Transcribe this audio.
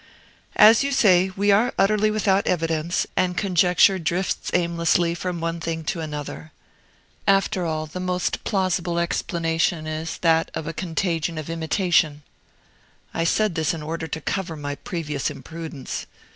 "As you say, we are utterly without evidence, and conjecture drifts aimlessly from one thing to another. After all, the most plausible explanation is that of a contagion of imitation." I said this in order to cover my previous imprudence.